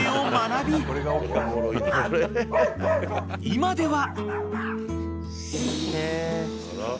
［今では］